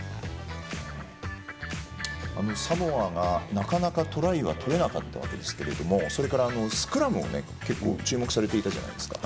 サモアが、なかなかトライはとれなかったわけですけどそれからスクラムを結構注目されていたじゃないですか。